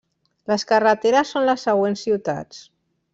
Les carreteres són les següents ciutats.